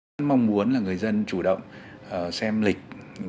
rất mong muốn là người dân chủ động xem lịch